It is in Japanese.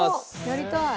やりたい。